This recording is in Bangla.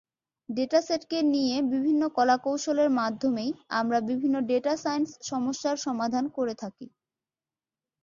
ডেটাসেটকে নিয়ে বিভিন্ন কলাকৌশলের মাধ্যমেই আমরা বিভিন্ন ডেটা সাইন্স সমস্যার সমাধান করে থাকে।